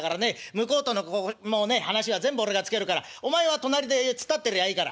向こうとの話は全部俺がつけるからお前は隣で突っ立ってりゃいいから。